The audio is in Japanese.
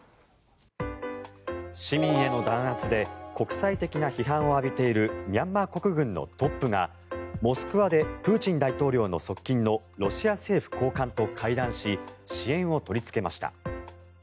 市民への弾圧で国際的な批判を浴びているミャンマー国軍のトップがモスクワでプーチン大統領の側近のロシア政府高官と会談し支援を取りつけました。